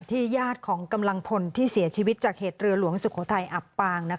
ญาติของกำลังพลที่เสียชีวิตจากเหตุเรือหลวงสุโขทัยอับปาง